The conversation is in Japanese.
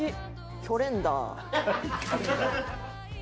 「“キョレンダー”」